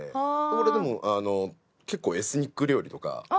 俺でも結構エスニック料理とか好きで。